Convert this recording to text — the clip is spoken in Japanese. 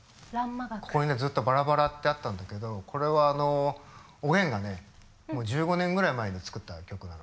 これねずっと「ばらばら」ってあったんだけどこれはおげんが１５年ぐらい前に作った曲なの。